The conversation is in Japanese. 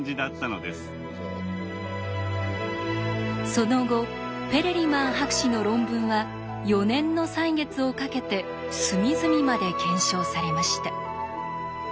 その後ペレリマン博士の論文は４年の歳月をかけて隅々まで検証されました。